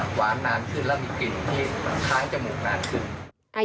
หวานนานขึ้นแล้วมีกลิ่นที่ค้างจมูกนานขึ้น